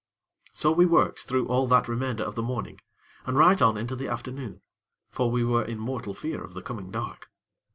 So we worked through all that remainder of the morning, and right on into the afternoon; for we were in mortal fear of the coming dark.